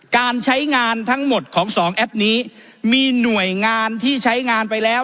การใช้งานทั้งหมดของสองแอปนี้มีหน่วยงานที่ใช้งานไปแล้ว